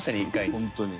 本当に。